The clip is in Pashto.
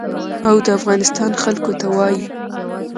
او د افغانستان خلکو ته وايي.